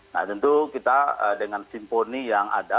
nah tentu kita dengan simponi yang ada